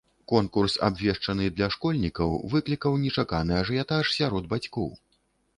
Конкурс, абвешчаны для школьнікаў, выклікаў нечаканы ажыятаж сярод бацькоў.